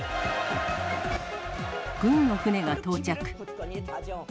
軍の船が到着。